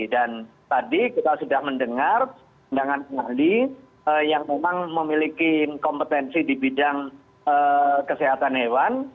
dan tadi kita sudah mendengar pendangan ahli yang memang memiliki kompetensi di bidang kesehatan hewan